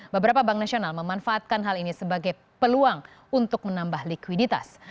beberapa bank nasional memanfaatkan hal ini sebagai peluang untuk menambah likuiditas